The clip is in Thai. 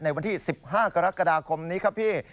วันที่๑๕กรกฎาคมนี้ครับพี่